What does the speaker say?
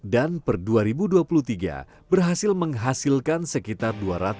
dan per dua ribu dua puluh tiga berhasil menghasilkan sekitar dua ratus